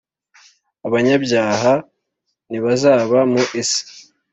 abanyabyaha ntibazaba mu isi